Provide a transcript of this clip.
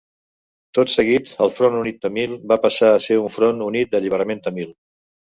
Tot seguit el Front Unit Tàmil va passar a ser el Front Unit d'Alliberament Tàmil.